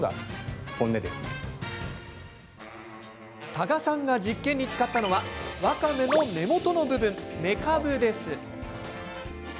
多賀さんが実験に使ったのはわかめの根元の部分めかぶです。